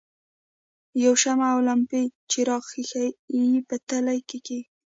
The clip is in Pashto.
یوه شمع او لمپې څراغ ښيښه په تلې کې کیږدئ.